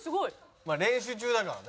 まあ練習中だからね。